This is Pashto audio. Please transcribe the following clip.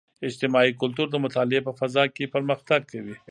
اجتماعي کلتور د مطالعې په فضاء کې پرمختګ کوي.